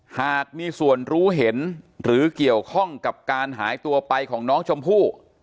หากมีส่วนรู้เห็นหรือเกี่ยวข้องกับการหายตัวไปของน้องชมพู่